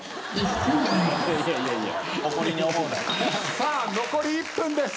さあ残り１分です。